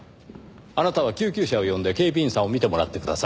あなたは救急車を呼んで警備員さんを診てもらってください。